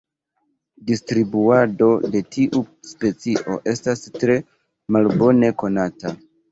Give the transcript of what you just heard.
Distribuado de tiu specio estas tre malbone konata.